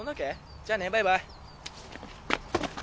じゃあねバイバイ。